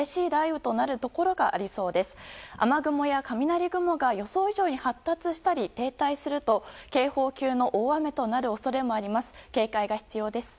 雨雲や雷雲が予想以上に発達したり停滞すると警報級の大雨となる恐れもあります